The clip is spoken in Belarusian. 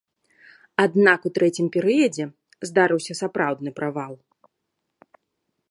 Аднак у трэцім перыядзе здарыўся сапраўдны правал.